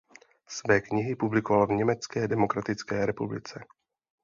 Své knihy publikoval v Německé demokratické republice.